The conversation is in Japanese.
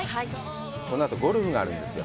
このあと、ゴルフがあるんですよ。